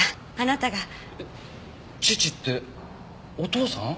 父ってお父さん？